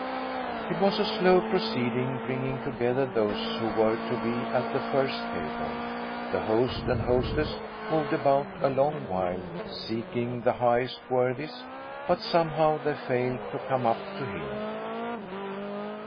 It was a slow proceeding bringing together those who were to be at the first table. The host and hostess moved about a long while seeking the highest worthies, but somehow they failed to come up to him.